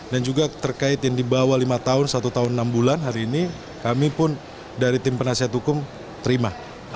dan juga terkait yang dibawa lima tahun satu tahun enam bulan hari ini kami pun dari tim penasihat hukum terima